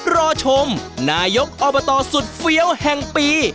รอชมนายกอบตสุดเฟี้ยวแห่งปี